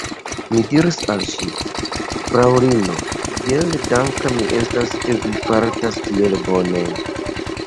Mi diris al ŝi: «Fraŭlino, kiel danka mi estas, ke vi fartas tiel bone!»